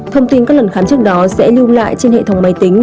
thông tin các lần khám trước đó sẽ lưu lại trên hệ thống máy tính